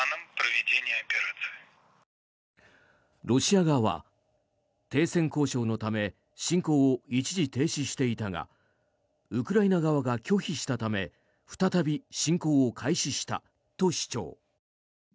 ロシア側は、停戦交渉のため侵攻を一時停止していたがウクライナ側が拒否したため再び侵攻を開始したと主張。